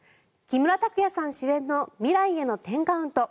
木村拓哉さん主演の「未来への１０カウント」。